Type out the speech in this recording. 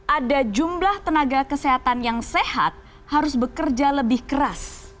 ada jumlah tenaga kesehatan yang sehat harus bekerja lebih keras